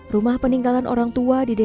rumah peninggalan orang tua didapati